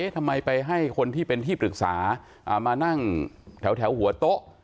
ทำไมไปให้คนที่เป็นที่ปรึกษามานั่งแถวหัวโต๊ะ